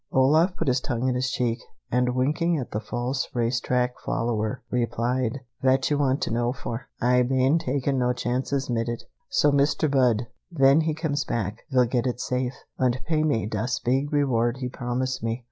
Olaf put his tongue in his cheek, and winking at the false race track follower, replied: "Vat you want to know for? Ay bane taking no chances mit it, so Mr. Budd, ven he comes back, vill get it safe, und pay me das big reward he promised me."